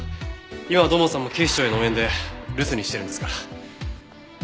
今は土門さんも警視庁への応援で留守にしてるんですから。